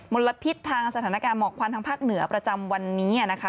ลพิษทางสถานการณ์หมอกควันทางภาคเหนือประจำวันนี้นะคะ